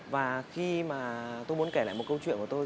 và khi mà tôi muốn kể lại một câu chuyện của tôi